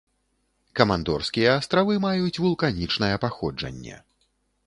Камандорскія астравы маюць вулканічнае паходжанне.